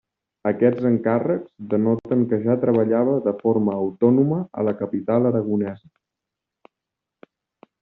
Aquests encàrrecs denoten que ja treballava de forma autònoma a la capital aragonesa.